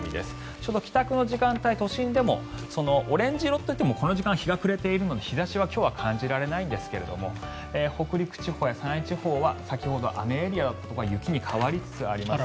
ちょうど帰宅の時間帯都心でも、オレンジ色といってもこの時間、日が暮れているので日差しは今日は感じられないんですが北陸地方や山陰地方は先ほど雨エリアだったところが雪に変わりつつあります。